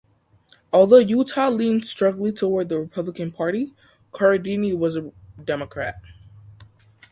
Although Utah leans strongly toward the Republican party, Corradini was a Democrat.